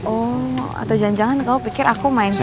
oh atau jangan jangan kamu pikir aku main sama